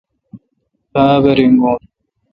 غابہ ریگون۔